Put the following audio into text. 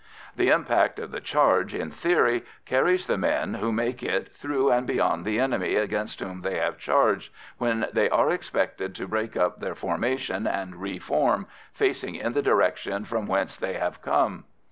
The impact of the charge, in theory, carries the men who make it through and beyond the enemy against whom they have charged, when they are expected to break up their formation and re form, facing in the direction from whence they have come.